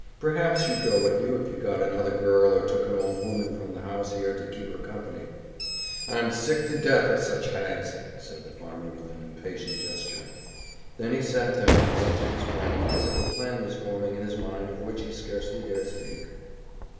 Perhaps she'd go with you if you got another girl or took an old woman from the house here to keep her company." "I'm sick to death of such hags," said the farmer with an impatient gesture. Then he sat down and looked at his friend as if a plan was forming in his mind of which he scarcely dare speak.